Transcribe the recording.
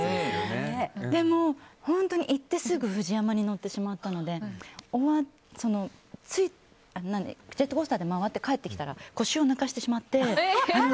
でも、本当に行ってすぐにＦＵＪＩＹＡＭＡにいってしまったのでジェットコースターで回って帰ってきたら腰を抜かしてしまって。